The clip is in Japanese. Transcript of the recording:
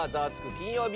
金曜日』